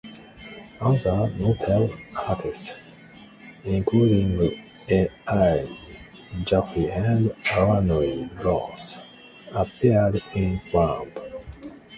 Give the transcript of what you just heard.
Other notable artists, including Al Jaffee and Arnold Roth, appeared in "Trump".